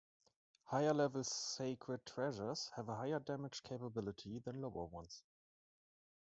Higher level sacred treasures have a higher damage capability than lower ones.